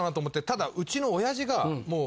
ただうちの親父がもう。